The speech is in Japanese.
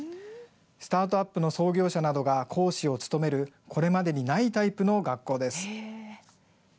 スタートアップの創業者などが講師を務める、これまでにないタイプの学校です。